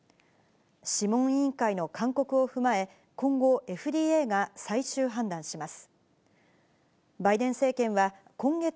諮問委員会の勧告を踏まえ、今後、ＦＤＡが最終判断します。